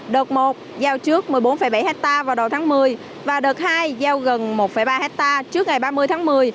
đợt một giao trước một mươi bốn bảy hectare vào đầu tháng một mươi và đợt hai giao gần một ba hectare trước ngày ba mươi tháng một mươi